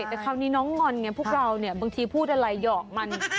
แต่คราวนี้น้องงอนไงพวกเราเนี่ยบางทีพูดอะไรหยอกมัน